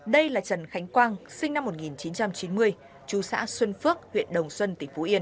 đây là trần khánh quang sinh năm một nghìn chín trăm chín mươi chú xã xuân phước huyện đồng xuân tỉnh phú yên